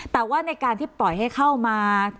แต่ว่าในการที่ปล่อยให้เข้ามา